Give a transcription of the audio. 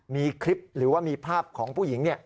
มีคลิปหรือว่ามีภาพของผู้หญิง